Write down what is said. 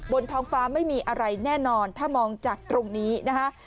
บนท้องฟ้าไม่มีอะไรแน่นอนถ้ามองจากตรงนี้นะคะ